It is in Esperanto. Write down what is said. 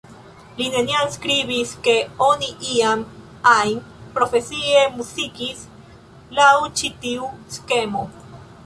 Li neniam skribis, ke oni iam ajn profesie muzikis laŭ ĉi tiu skemo.